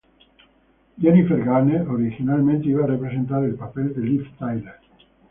Jennifer Garner originalmente iba a representar el papel de Liv Tyler.